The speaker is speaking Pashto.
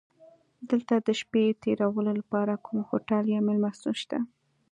دلته د شپې تېرولو لپاره کوم هوټل یا میلمستون شته؟